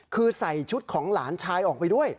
คือใส่ชุดของหลานชายออกไปด้วย